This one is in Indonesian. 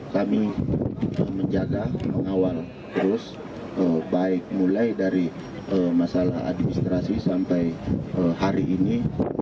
kami menjaga mengawal terus baik mulai dari masalah administrasi sampai hari ini